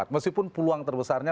meskipun peluang terbesarnya